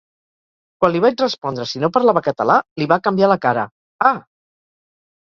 Quan li vaig respondre si no parlava català, li va canviar la cara: Ah!